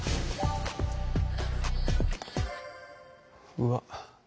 うわっ。